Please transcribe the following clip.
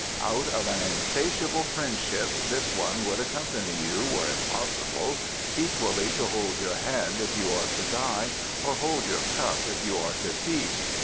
Out of an insatiable friendship this one would accompany you, were it possible, equally to hold your hand if you are to die or hold your cup if you are to feast.